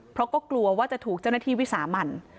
เพราะก็กลัวว่าจะถูกเจ้าหน้าที่วิสามัน